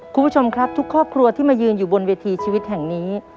คุณผู้ชมครับทุกครอบครัวที่มายืนอยู่บนเวทีชีวิตแห่งนี้